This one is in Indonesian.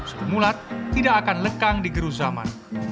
seri mulat tidak akan lekang di gerus zaman